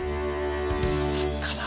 立つかな。